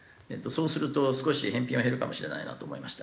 そうすると少し返品は減るかもしれないなと思いました。